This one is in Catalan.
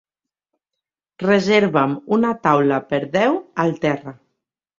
Reserva'm una taula per deu al Terra.